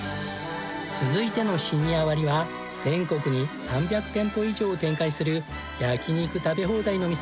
続いてのシニア割は全国に３００店舗以上を展開する焼肉食べ放題の店焼肉きんぐ。